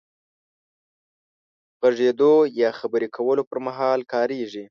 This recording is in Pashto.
غږېدو يا خبرې کولو پر مهال کارېږي.